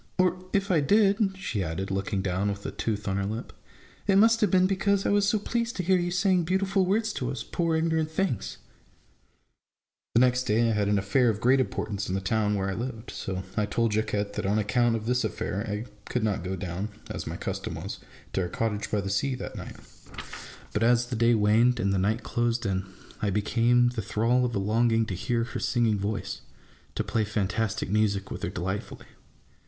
" Or if I did," she added, looking down with a tooth on her lip, " it must have been because I was so pleased to hear you saying beautiful words to us — poor ignorant things !" The next day I had an affair of great importance in the town where I lived, so I told Jacquette that on account of this affair I could not go down, as my custom was, to her cottage by the sea, that night. But as 66 A BOOK OF BARGAINS. the day waned, and the night closed in, I became the thrall of a longing to hear her singing voice, to play fantastic music with her delightfully.